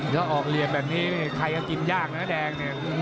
ถ้าออกเหลี่ยมแบบนี้ใครก็กินยากนะแดงเนี่ย